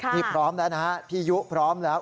นี่พร้อมแล้วนะฮะพี่ยุพร้อมแล้ว